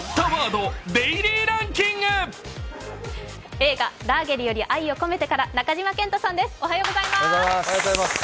映画「ラーゲリより愛を込めて」から中島健人さんです。